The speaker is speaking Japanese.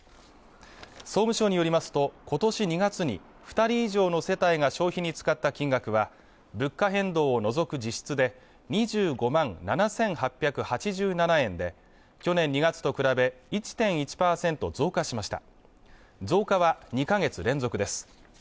総務省によりますとことし２月に２人以上の世帯が消費に使った金額は物価変動を除く実質で２５万７８８７円で去年２月と比べ１．１％増加しました増加は２カ月連続です